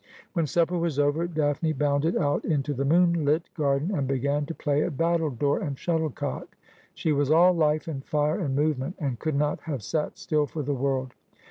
When supper was over. Daphne bounded out into the moonlit garden, and began to play at battledore and shuttlecock. She was all life and fire and movement, and could not haife sat still for the world.